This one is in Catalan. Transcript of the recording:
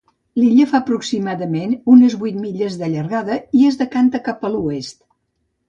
L'illa fa aproximadament unes vuit milles de llargada i es decanta cap a l'oest.